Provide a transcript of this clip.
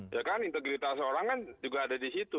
ya kan integritas orang kan juga ada di situ